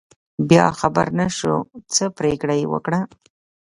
بیا خبر نشو، څه پرېکړه یې وکړه.